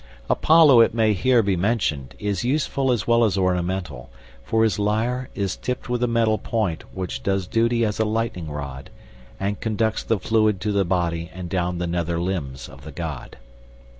Apollo, it may here be mentioned, is useful as well as ornamental, for his lyre is tipped with a metal point which does duty as a lightning rod, and conducts the fluid to the body and down the nether limbs of the god.